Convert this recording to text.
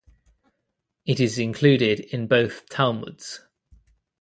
It is included in both Talmuds.